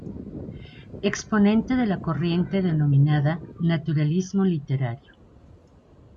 Exponente de la corriente denominada Naturalismo literario.